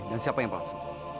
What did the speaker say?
dan siapa yang palsu